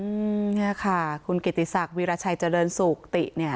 อืมเนี่ยค่ะคุณกิติศักดิราชัยเจริญสุขติเนี่ย